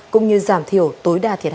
cũng như giảm thiểu tối đa thiệt hại